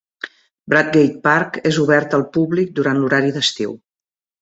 Bradgate Park és obert al públic durant l'horari d'estiu.